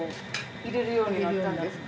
入れるようになったんですか。